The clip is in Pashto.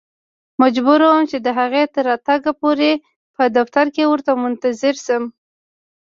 مجبور وم چې د هغې تر راتګ پورې په دفتر کې ورته منتظر شم.